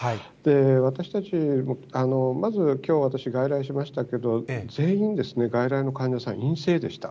私たち、まず、きょう私、外来しましたけど、全員、外来の患者さん陰性でした。